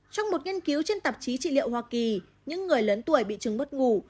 trong một nghiên cứu trên tạp chí trị liệu hoa kỳ những người lớn tuổi bị trừng mất ngủ